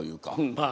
まあ。